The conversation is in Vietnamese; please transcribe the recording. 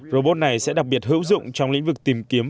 robot này sẽ đặc biệt hữu dụng trong lĩnh vực tìm kiếm